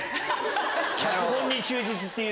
脚本に忠実っていう。